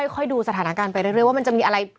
ภาษาฐานการณ์ไปเรื่อยว่ามันจะมีอะไร